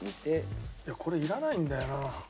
いやこれいらないんだよな。